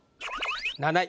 ７位。